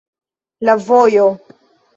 La vojo.